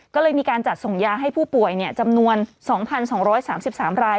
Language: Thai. ก็เลยมีการจัดส่งยาให้ผู้ป่วยจำนวน๒๒๓๓ราย